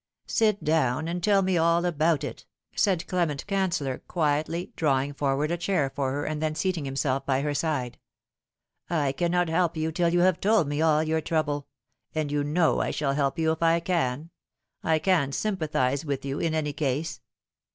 " Sit down, and tell me all about it," said Clement Cancellor quietly, drawing forward a chair for her, and then seating him self by her side. " I cannot help you till you have told me all your trouble ; and you know I shall help you if I can. I can sympathise with you, in any case."